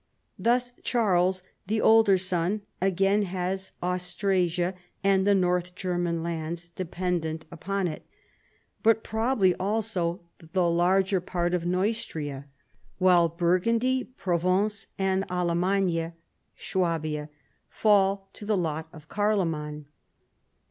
Thus Charles, the elder son, atrain has Austrasia and the Noi tli German lands dependent upon it, but probably also the larger 110 CHARLEMAGNE. part of Neustria ; while Burgundy, Provence, and Alamannia (Swabia) fall to the lot of Carloman.